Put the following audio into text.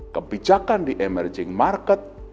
kebijakan di emerging market